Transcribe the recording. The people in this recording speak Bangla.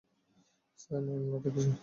স্যার, মামলাটা কিসের?